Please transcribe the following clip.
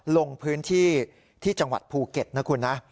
ลงพื้นที่ที่จังหวัดภูเก็ตนะคุณนะ